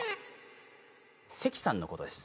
関さんの事です。